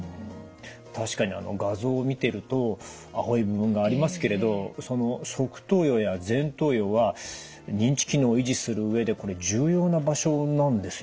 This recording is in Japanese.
確かに画像を見ていると青い部分がありますけれどその側頭葉や前頭葉は認知機能を維持する上でこれ重要な場所なんですよね？